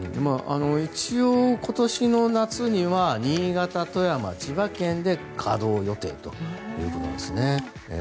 一応、今年の夏には新潟、富山、千葉県で稼働予定ということなんですね。